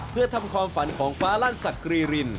เพื่อทำความฝันของฟ้าลั่นสักกรีริน